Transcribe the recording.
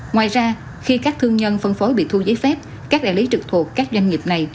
ngoài ra khi các thương nhân phân phối bị thu giấy phép các đại lý trực thuộc các doanh nghiệp này